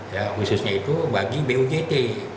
khususnya itu bagi bujt